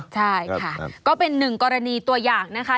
ใช่ค่ะก็เป็นหนึ่งกรณีตัวอย่างนะคะ